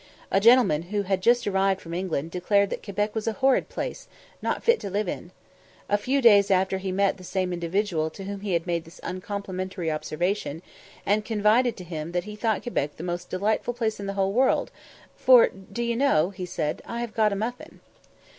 A gentleman, who had just arrived from England, declared that "Quebec was a horrid place, not fit to live in." A few days after he met the same individual to whom he had made this uncomplimentary observation, and confided to him that he thought Quebec "the most delightful place in the whole world; for, do you know," he said, "I have got a muffin."